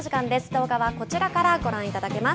動画はこちらからご覧いただけます。